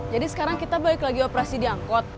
jadi sekarang kita balik lagi operasi di angkot